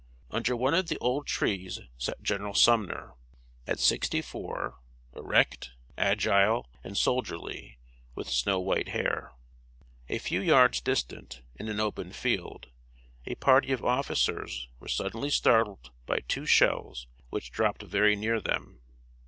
Under one of the old trees sat General Sumner, at sixty four erect, agile, and soldierly, with snow white hair. A few yards distant, in an open field, a party of officers were suddenly startled by two shells which dropped very near them.